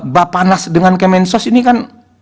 bapanas dengan kemensos ini kan